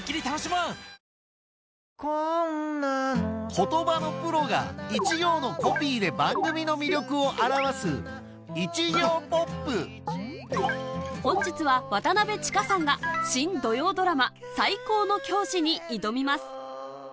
言葉のプロが一行のコピーで番組の魅力を表す本日は渡千佳さんが新土曜ドラマ『最高の教師』に挑みます